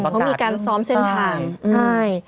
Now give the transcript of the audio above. เขามีการซ้อมเซ็นไทน์